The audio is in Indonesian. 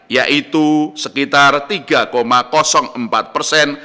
yaitu sekitar tiga empat persen